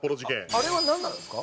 あれはなんなんですか？